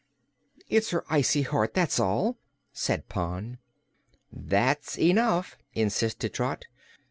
"It's her icy heart, that's all," said Pon. "That's enough," insisted Trot.